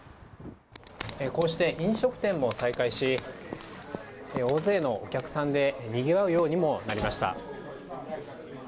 こうして飲食店も再開し、大勢のお客さんでにぎわうようにもなりました。